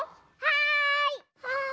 はい。